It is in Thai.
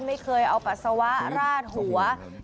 ไม่เคยเอาปัสสาวะราดหัว